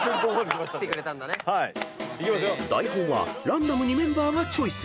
［台本はランダムにメンバーがチョイス］